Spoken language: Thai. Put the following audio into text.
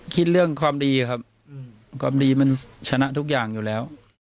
คิดเรื่องความดีครับความดีมันชนะทุกอย่างอยู่แล้ว